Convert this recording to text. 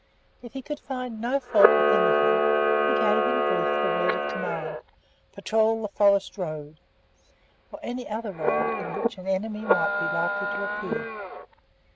If he could find no fault with anything, he gave in brief the word of command, "Patrol the forest road," or any other road on which an enemy might be likely to appear.